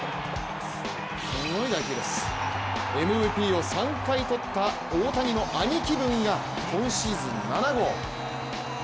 МＶＰを３回とった大谷の兄貴分が今シーズン７号。